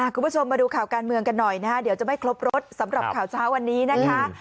คุณผู้ชมมาดูข่าวการเมืองกันหน่อยนะคะเดี๋ยวจะไม่ครบรถสำหรับข่าวเช้าวันนี้นะคะ